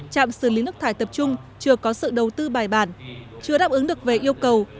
trạm xử lý nước thải tập trung chưa có sự đầu tư bài bản chưa đáp ứng được về yêu cầu